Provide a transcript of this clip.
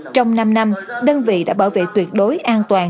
trong năm năm đơn vị đã bảo vệ tuyệt đối an toàn